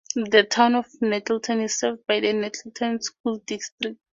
The Town of Nettleton is served by the Nettleton School District.